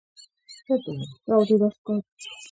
რომ შევკრიბოთ, რამდენი იქნება?